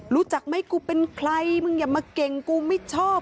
รู้จักไหมกูเป็นใครมึงอย่ามาเก่งกูไม่ชอบ